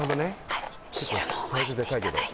はい。